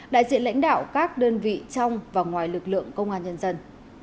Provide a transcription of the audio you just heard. đại diện lãnh đạo các đơn vị trong và ngoài lực lượng công an nhân dân